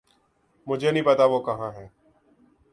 مجھے نہیں پتا وہ کہاں ہے